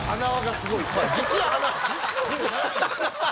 すごいね。